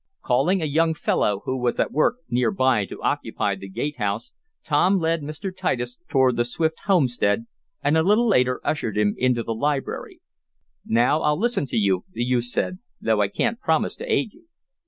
Calling a young fellow who was at work near by to occupy the gate house, Tom led Mr. Titus toward the Swift homestead, and, a little later, ushered him into the library. "Now I'll listen to you," the youth said, "though I can't promise to aid you."